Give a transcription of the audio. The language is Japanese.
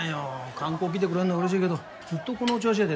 観光来てくれるのは嬉しいけどずっとこの調子やで大変やて。